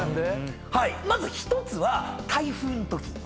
まず１つは台風んとき。